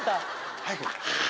早く。